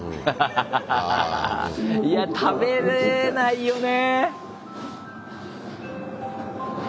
ハハハいや食べれないよね！